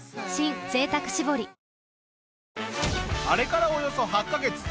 あれからおよそ８カ月。